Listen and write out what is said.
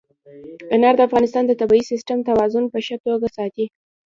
انار د افغانستان د طبعي سیسټم توازن په ښه توګه ساتي.